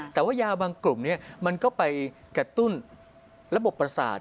แต่ว่ายาบางกลุ่มนี้มันก็ไปกระตุ้นระบบประสาท